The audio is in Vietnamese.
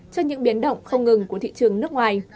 trước những biến động không ngừng của thị trường nước ngoài